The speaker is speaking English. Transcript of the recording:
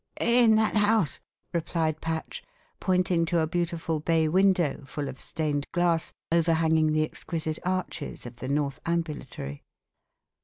"In that house," replied Patch, pointing to a beautiful bay window, full of stained glass, overhanging the exquisite arches of the north ambulatory.